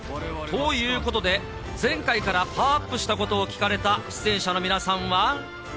ということで、前回からパワーアップしたことを聞かれた出演者の皆さんは。